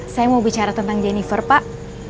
saya mau bicara tentang jennifer pak